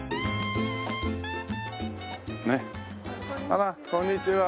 あらこんにちは。